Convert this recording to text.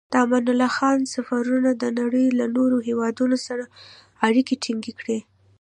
د امان الله خان سفرونو د نړۍ له نورو هېوادونو سره اړیکې ټینګې کړې.